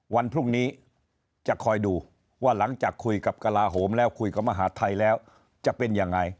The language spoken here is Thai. วันพรุ่งนี้จะคอยดูว่าหลังจากคุยกับกระลาโหมแล้วคุยกับมหาดไทยแล้วจะเป็นยังไง